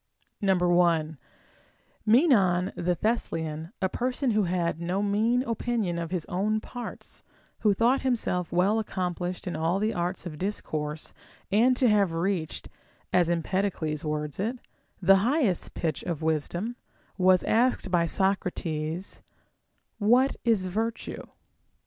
1. Menon the Thessalian, a person who had no mean opinion of his own parts, who thought himself well accom plished in all the arts of discourse and to have reached (as Empedocles words it) the highest pitch of wisdom, was asked by Socrates, What is virtue?